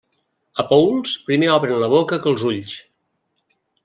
A Paüls, primer obren la boca que els ulls.